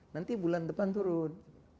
nanti bulan depan turun